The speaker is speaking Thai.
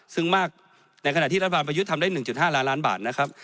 ซึ่งมากในขณะที่รัฐบาลประยุทธ์ทำได้๑๕ล้านล้านบาทนะครับ